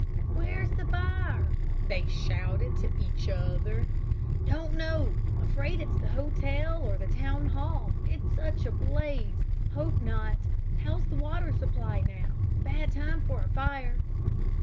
"Where's the fire?" they shouted to each other. "Don't know afraid it's the hotel, or the town hall. It's such a blaze. Hope not. How's the water supply now? Bad time for a fire."